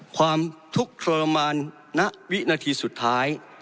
ความทุกข์ทรมานณวินาทีสุดท้าย